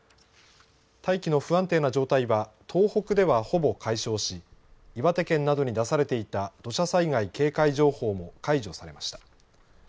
大気の不安定な状態は東北ではほぼ解消し岩手県などに出されていた土砂災害警戒情報も解除されました。